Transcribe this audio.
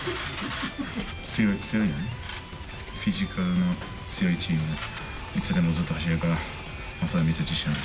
強い、フィジカルの強いチーム、いつでもずっと走れるから自信ある。